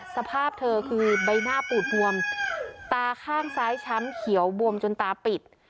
สภาพเธอคือใบหน้าปูดบวมตาข้างซ้ายช้ำเขียวบวมจนตาปิด